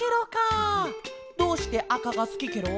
どうしてあかがすきケロ？